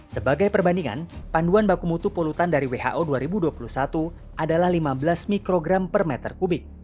sebagai perbandingan panduan baku mutu polutan dari who dua ribu dua puluh satu adalah lima belas mikrogram per meter kubik